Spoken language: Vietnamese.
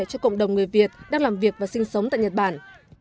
cho cộng đồng người việt đang làm việc và sinh sống tại nhật bản